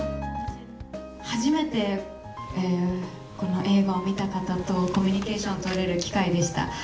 初めてこの映画を見た方とコミュニケーション取れる機会でした。